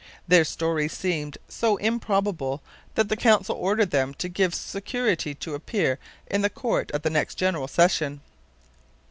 Their story seemed so improbable that the Council ordered them to give security to appear in the court at the next general session.